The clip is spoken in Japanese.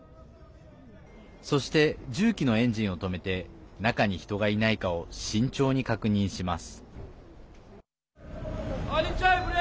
そして、重機のエンジンを止めて中に人がいないかを慎重に確認します。